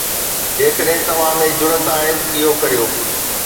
جيڪڏهن توهان ۾ جرئت آهي، اهو ڪريو